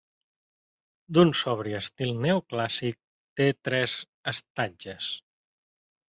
D'un sobri estil neoclàssic, té tres estatges.